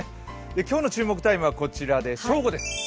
今日の注目タイムは正午です。